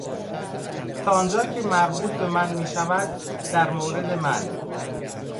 تا آنجا که مربوط به من میشود، در مورد من...